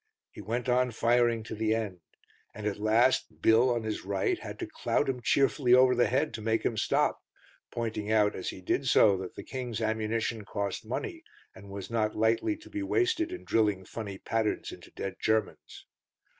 He went on firing to the end, and at last Bill on his right had to clout him cheerfully over the head to make him stop, pointing out as he did so that the King's ammunition cost money and was not lightly to be wasted in drilling funny patterns into dead Germans.